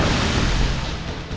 dia jadi parasit